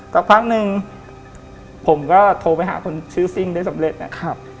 สักพักหนึ่งผมก็โทรไปหาคนชื่อซิ่งได้สำเร็จนะครับ